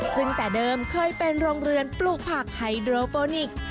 ซึ่งแต่เดิมเคยเป็นโรงเรือนปลูกผักไฮโดรโปนิกส์